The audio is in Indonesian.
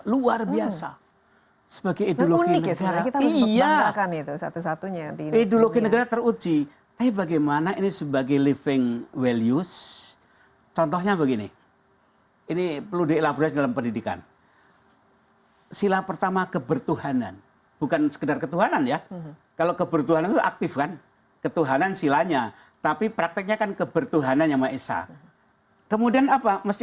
luar biasa sebagai hidupnya aa ia satu satunya herfi wedul